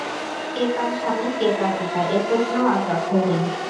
কে কার স্বামী, কে কার পিতা এ প্রশ্নও আজ অর্থহীন।